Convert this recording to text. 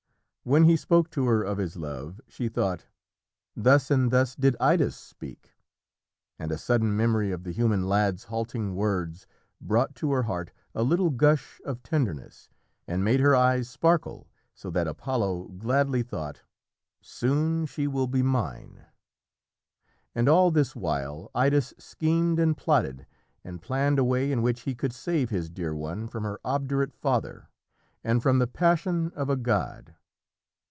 When he spoke to her of his love she thought, "Thus, and thus did Idas speak," and a sudden memory of the human lad's halting words brought to her heart a little gush of tenderness, and made her eyes sparkle so that Apollo gladly thought, "Soon she will be mine." [Illustration: MARPESSA SAT ALONE BY THE FOUNTAIN] And all this while Idas schemed and plotted and planned a way in which he could save his dear one from her obdurate father, and from the passion of a god.